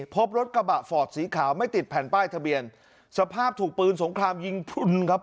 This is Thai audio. พบรถกระบะฟอร์ดสีขาวไม่ติดแผ่นป้ายทะเบียนสภาพถูกปืนสงครามยิงพลุนครับ